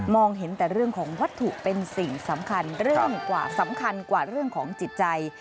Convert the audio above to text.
เห็นแต่เรื่องของวัตถุเป็นสิ่งสำคัญเริ่มกว่าสำคัญกว่าเรื่องของจิตใจ